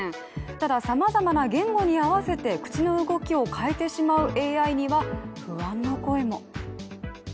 ただ、さまざまな言語に合わせて口の動きを変えてしまうＡＩには不安の声も。